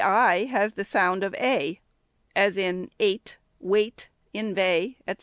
529 ei has the sound of a, as in eight, weight, inveigh, &c.